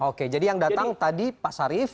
oke jadi yang datang tadi pak sarif